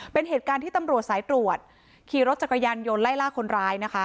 เป็นเหตุการณ์ที่ตำรวจสายตรวจขี่รถจักรยานยนต์ไล่ล่าคนร้ายนะคะ